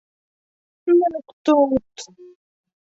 Ныҡ тот!